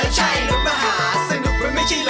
สวัสดีค่ะสวัสดีค่ะ